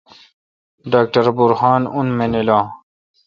ڈاکٹر برہان اون مینل اؘ